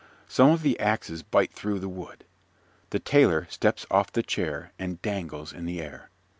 Some of the axes bite through the wood. The Tailor steps off the chair and dangles in the air.